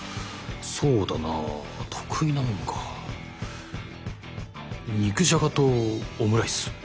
そうだなあ得意なもんか肉じゃがとオムライス